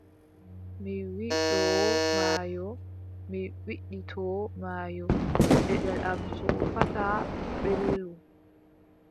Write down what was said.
Mi widdoo maayo, mi widditoo maayo, deɗel am soofataa, mbeelu !